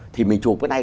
thì mình chụp cái này